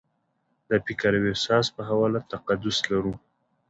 د فکر او احساس په حواله تقدس لرلو